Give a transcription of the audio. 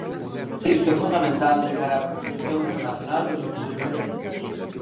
Isto é fundamental de cara á proxección internacional dos Estudos Galegos.